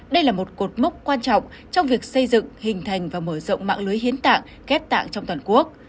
đây là một cột mốc quan trọng trong việc xây dựng hình thành và mở rộng mạng lưới hiến tạng ghép tạng trong toàn quốc